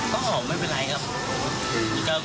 ก็ออกไม่เป็นไรครับ